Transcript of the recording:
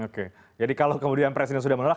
oke jadi kalau kemudian presiden sudah menolak